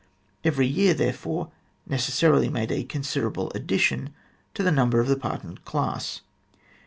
Every year, therefore, necessarily made a considerable addition to the number of the pardoned class.